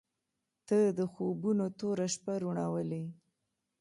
• ته د خوبونو توره شپه روڼولې.